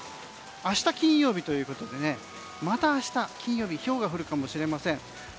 明日金曜日ということでまた明日の金曜日ひょうが降るかもしれません。